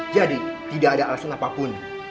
jadi tidak ada alasan apapun